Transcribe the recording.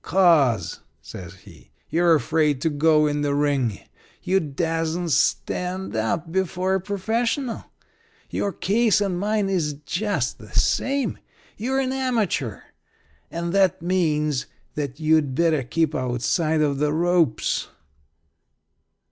"'Cause," said he, "you're afraid to go in the ring. You dassen't stand up before a professional. Your case and mine is just the same. You're a amateur; and that means that you'd better keep outside of the ropes."